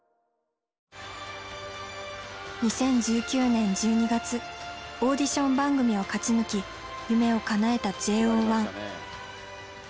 ２０１９年１２月オーディション番組を勝ち抜き夢をかなえたＪＯ１。